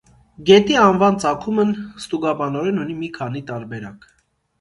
Գետի անվան ծագումն ստուգաբանորեն ունի մի քանի տարբերակ։